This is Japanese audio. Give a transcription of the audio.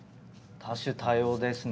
多種多様ですね